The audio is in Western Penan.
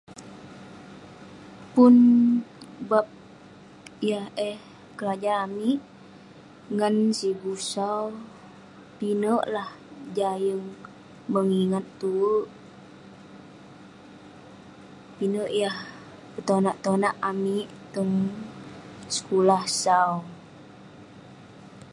Pun bab yah eh kerja amik ngan sigu sau pinek lah jah yeng mengingat tuek pinek yah petonak-tonak amik tong sekulah sau